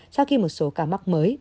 sau khi một số ca mắc mới